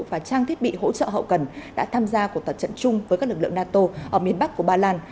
và trang thiết bị hỗ trợ hậu cần đã tham gia cuộc tập trận chung với các lực lượng nato ở miền bắc của ba lan